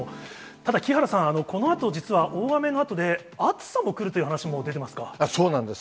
ただ木原さん、このあと、実は大雨のあとで、暑さも来るという話そうなんです。